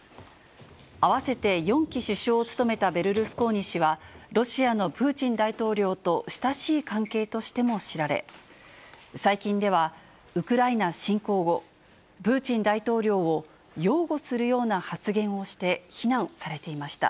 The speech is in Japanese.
合わせて４期首相を務めたベルルスコーニ氏は、ロシアのプーチン大統領と親しい関係としても知られ、最近では、プーチン大統領を擁護するような発言をして非難されていました。